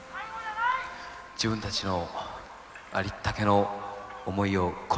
自分たちのありったけの思いを込めて。